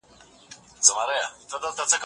د یو روڼ اندي لپاره ادبي څېړنه یو ویاړ دئ.